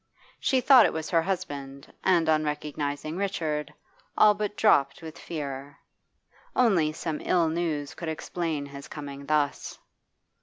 She thought it was her husband, and, on recognising Richard, all but dropped with fear; only some ill news could explain his coming thus.